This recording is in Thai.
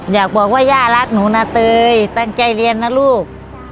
อยากบอกว่าย่ารักหนูนะเตยตั้งใจเรียนนะลูก